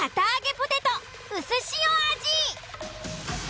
ポテトうすしお味。